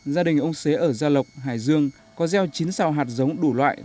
gia đình ông xế ở gia lộc hải dương có gieo chín sao hạt giống đủ loại